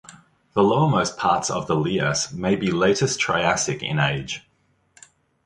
The lowermost part of the Lias may be latest Triassic in age.